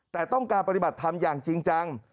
แต่ต้องการปฏิบัติธรรมอย่างจริงจัง